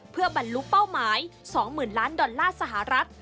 เพื่อบรรลุเป้าหมาย๒๐๐๐ล้านดอลลาร์สหรัฐ